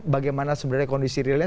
bagaimana sebenarnya kondisi realnya